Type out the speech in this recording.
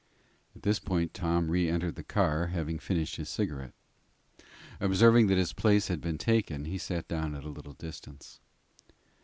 At this point Tom re entered the car, having finished his cigarette. Observing that his place had been taken, he sat down at a little distance.